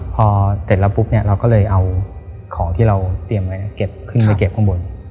พอเสร็จแล้วปุ๊บเนี่ยเราก็เลยเอาของที่เราเตรียมไว้เก็บขึ้นไปเก็บข้างบน